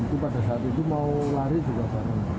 itu pada saat itu mau lari juga sana